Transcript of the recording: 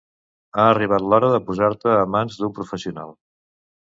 Ha arribat l'hora de posar-te a mans d'un professional.